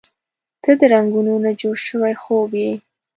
• ته د رنګونو نه جوړ شوی خوب یې.